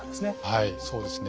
はいそうですね。